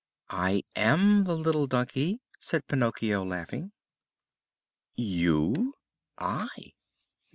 "I am the little donkey!" said Pinocchio, laughing. "You?" "I."